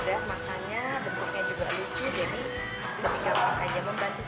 jadi lebih gampang aja membantu sekali buat saya